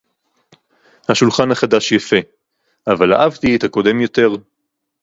השולחן החדש יפה, אבל אהבתי את הקודם יותר.